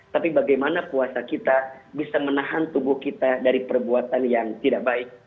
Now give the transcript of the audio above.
tapi bagaimana puasa kita bisa menahan tubuh kita dari perbuatan yang tidak baik